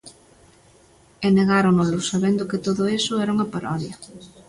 E negáronnolos sabendo que todo iso era unha parodia.